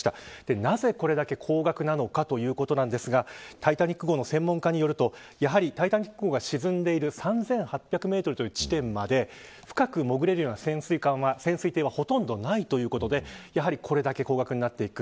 なぜこれだけ高額なのかということですがタイタニック号の専門家によるとやはり、タイタニック号が沈んでいる３８００メートルという地点まで深く潜れるような潜水艇はほとんどないということでやはり、これだけ高額になっている。